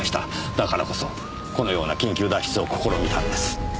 だからこそこのような緊急脱出を試みたんです。